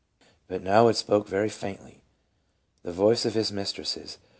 "But now it spoke very faintly [the voice of his mis tresses]